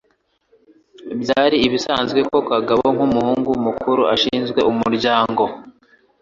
Byari ibisanzwe ko Kagabo, nk'umuhungu mukuru, ashinzwe umuryango